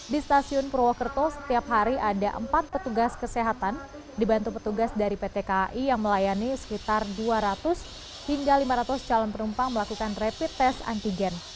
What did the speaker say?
di stasiun purwokerto setiap hari ada empat petugas kesehatan dibantu petugas dari pt kai yang melayani sekitar dua ratus hingga lima ratus calon penumpang melakukan rapid test antigen